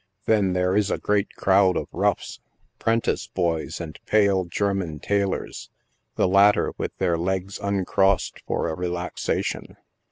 Then there is a great crowd of roughs, prentice boys and pale, German tailors — the latter with their legs uncrossed for a relaxation.